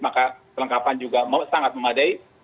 maka kelengkapan juga sangat memadai